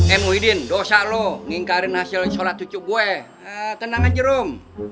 eh muhyiddin dosa lu ngingkarin hasil sholat tujuh buah tenang aja rum